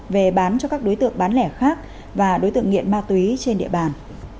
về bán cho các đối tượng bán lẻ khác và đối tượng nghiện ma túy trên địa bàn